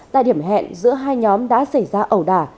tại điểm hẹn giữa hai nhóm đã xảy ra ẩu đà